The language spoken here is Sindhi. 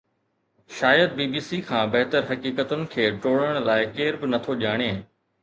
شايد بي بي سي کان بهتر حقيقتن کي ٽوڙڻ لاءِ ڪير به نٿو ڄاڻي